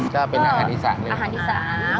ก็เป็นอาหารอีสานึงนะครับอาหารอีสาน